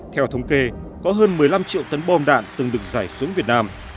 theo thống kê có hơn một mươi năm triệu tấn bom đạn từng được giải xuống việt nam